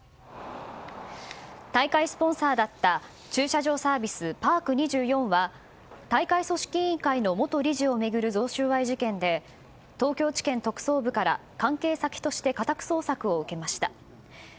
大会スポンサーだった駐車場サービス、パーク２４は大会組織委員会の元理事を巡る贈収賄事件を東京地検特捜部から関係先として家宅捜索を受けました。